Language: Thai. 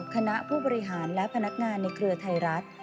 คณะผู้บริหารและพนักงานในเครือไทยรัฐ